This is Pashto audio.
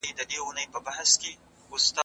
تعصب د ټولني سرطان دی.